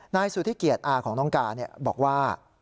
นายสุธิเกียจอาของน้องกาบอกว่า